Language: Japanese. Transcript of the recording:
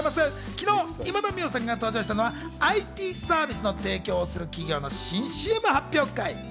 昨日、今田美桜さんが登場したのはＩＴサービスを提供する企業の新ＣＭ発表会。